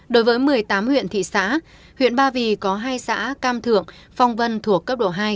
đối với một mươi tám huyện thị xã huyện ba vì có hai xã cam thượng phong vân thuộc cấp độ hai